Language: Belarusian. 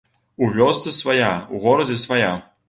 У вёсцы свая, у горадзе свая.